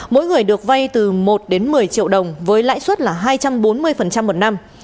mỗi người được vay từ một đến một mươi triệu đồng với lãi suất là hai trăm bốn mươi một năm